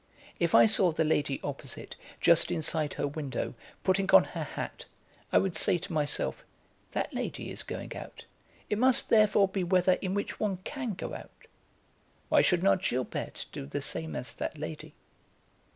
If I saw the lady opposite, just inside her window, putting on her hat, I would say to myself: "That lady is going out; it must, therefore, be weather in which one can go out. Why should not Gilberte do the same as that lady?"